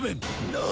何！